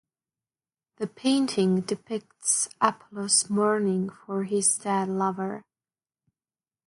The painting depicts Apollo's mourning for his dead lover.